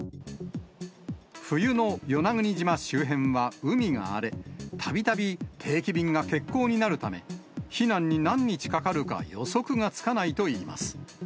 冬の与那国島周辺は海が荒れ、たびたび定期便が欠航になるため、避難に何日かかるか予測がつかないといいます。